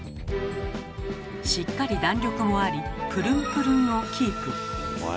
しっかり弾力もありプルンプルンをキープ。